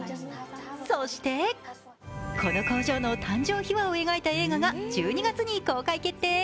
そして、この工場の誕生秘話を描いた映画が１２月に公開決定。